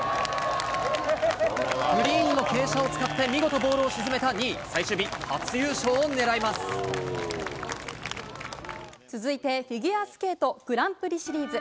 グリーンの傾斜を使って見事ボールを沈めた仁井、最終日、続いてフィギュアスケートグランプリシリーズ。